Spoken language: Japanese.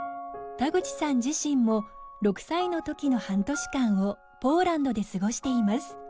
田口さん自身も６歳のときの半年間をポーランドで過ごしています。